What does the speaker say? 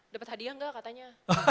dapat hadiah enggak katanya